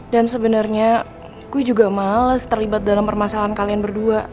dan sebenarnya gue juga males terlibat dalam permasalahan kalian berdua